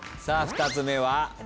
さあ２つ目は？